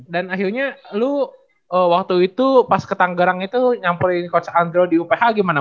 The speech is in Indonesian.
dan akhirnya lu waktu itu pas ke tanggarang itu nyamperin coach andro di uph gimana